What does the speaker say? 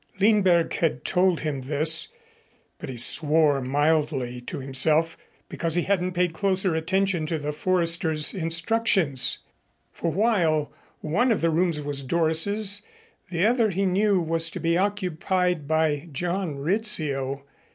Lindberg had told him this, but he swore mildly to himself because he hadn't paid closer attention to the Forester's instructions, for while one of the rooms was Doris's, the other he knew was to be occupied by John Rizzio.